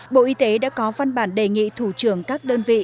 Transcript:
bộ y tế đã có văn bản đề nghị thủ trưởng các đơn vị